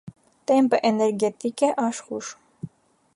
Տեմպը էներգետիկ է, աշխույժ։